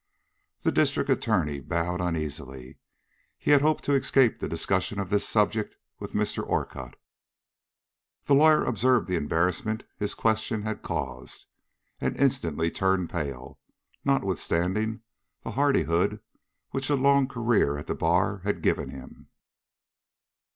The District Attorney bowed uneasily. He had hoped to escape the discussion of this subject with Mr. Orcutt. The lawyer observed the embarrassment his question had caused, and instantly turned pale, notwithstanding the hardihood which a long career at the bar had given him.